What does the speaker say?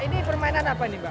ini permainan apa ini mas